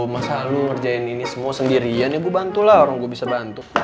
masa lu ngerjain ini semua sendirian ya gue bantu lah orang gue bisa bantu